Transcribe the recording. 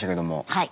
はい。